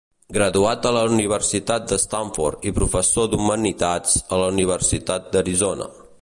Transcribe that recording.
Graduat a la Universitat de Stanford i professor d'humanitats a la Universitat d'Arizona.